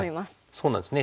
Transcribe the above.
そうなんですね